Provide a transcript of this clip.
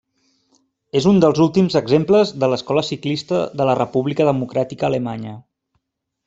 És un dels últims exemples de l'escola ciclista de la República Democràtica Alemanya.